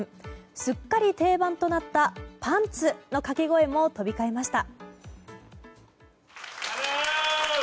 すっかり定番となったパンツ！の掛け声も飛び交いました。